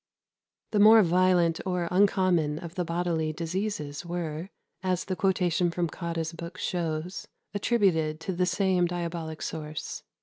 The more violent or uncommon of the bodily diseases were, as the quotation from Cotta's book shows, attributed to the same diabolic source.